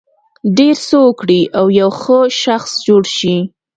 ډېر څه وکړي او یو ښه شخص جوړ شي.